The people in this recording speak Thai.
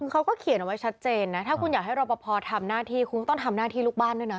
เขาก็เขียนเอาไว้ชัดเจนนะถ้าคุณอยากให้รอปภทำหน้าที่คุณก็ต้องทำหน้าที่ลูกบ้านด้วยนะ